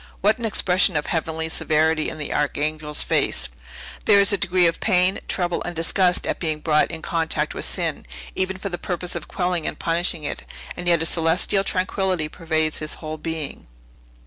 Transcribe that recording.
What an expression of heavenly severity in the Archangel's face! There is a degree of pain, trouble, and disgust at being brought in contact with sin, even for the purpose of quelling and punishing it; and yet a celestial tranquillity pervades his whole being."